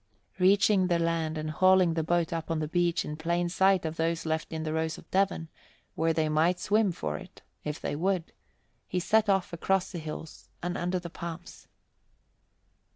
Reaching the land and hauling the boat up on the beach in plain sight of those left in the Rose of Devon, where they might swim for it if they would, he set off across the hills and under the palms.